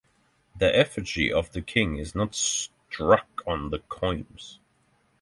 The effigy of the king is not struck on the coins.